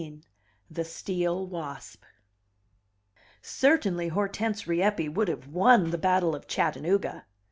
XVI: The Steel Wasp Certainly Hortense Rieppe would have won the battle of Chattanooga!